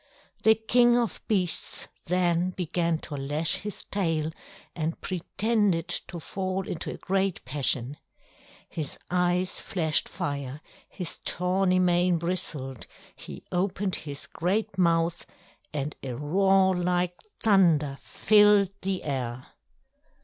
The King of Beasts then began to lash his tail and pretended to fall into a great passion. His eyes flashed fire, his tawny mane bristled; he opened his great mouth, and a roar like thunder filled the air.